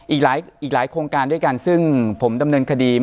อีกหลายโครงการด้วยกันซึ่งผมดำเนินคดี